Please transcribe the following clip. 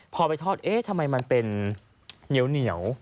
พอไปทอดเอ๊ะทำไมมันเป็นเหนียว